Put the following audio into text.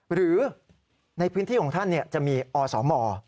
หรือในพื้นที่ของท่านจะมีอสม